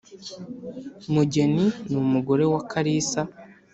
mugeni ni umugore wa kalisa